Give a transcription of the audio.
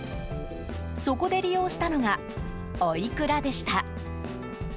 そこで利用したのがおいくらでした。